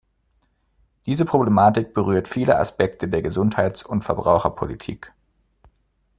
Diese Problematik berührt viele Aspekte der Gesundheits- und Verbraucherpolitik.